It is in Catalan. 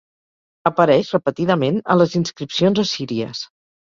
Apareix repetidament a les inscripcions assíries.